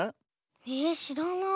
えしらない。